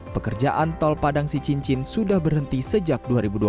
pekerjaan tol padang sicincin sudah berhenti sejak dua ribu dua puluh